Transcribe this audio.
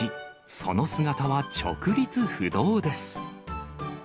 その姿は直立不動です。